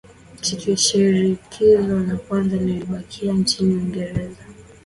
Shirikisho la kwanza lilibakia nchini Uingereza